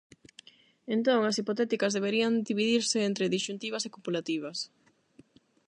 Entón, as hipotéticas deberían dividirse entre disxuntivas e copulativas.